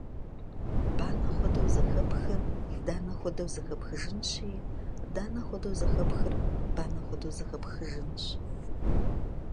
Bane xuede zexeplhher dane xuedeu zexepxıjjınşi, dane xuede zexeplhher bane xuede zexepxıjjınş.